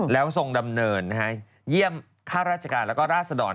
แล้วทรงดำเนินเยี่ยมข้าราชการแล้วก็ราศดร